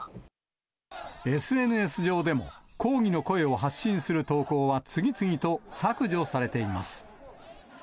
ＳＮＳ上でも、抗議の声を発信する投稿は次々と削除されています。